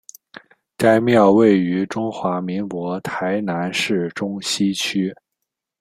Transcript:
该庙位于中华民国台南市中西区。